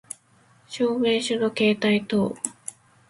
証明書の携帯等